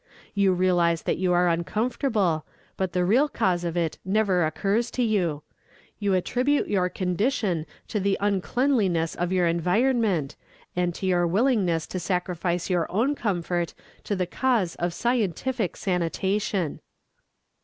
You realize that you are uncomfortable, but the real cause of it never occurs to you: you attribute your condition to the uncleanliness of your environment, and to your willingness to sacrifice your own comfort to the cause of scientific sanitation.